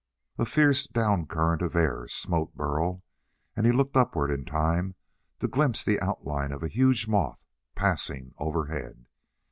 A fierce down current of air smote Burl, and he looked upward in time to glimpse the outline of a huge moth passing overhead.